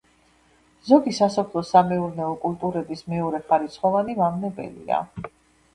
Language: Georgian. ზოგი სასოფლო-სამეურნეო კულტურების მეორეხარისხოვანი მავნებელია.